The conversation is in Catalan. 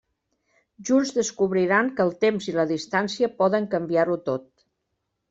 Junts descobriran que el temps i la distància poden canviar-ho tot.